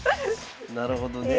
なるほどね。